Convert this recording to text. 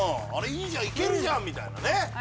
いいじゃん！いけるじゃん！みたいなね。